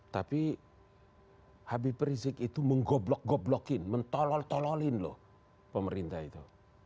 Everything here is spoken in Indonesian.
tapi habib rizik itu menggoblok goblokin mentolol tololin loh pemerintah itu